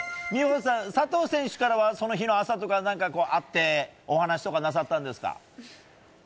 佐藤選手からはその日の朝とかは会ってお話とかなさったんですか？